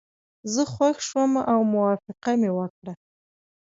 زه خوښ شوم او موافقه مې وکړه.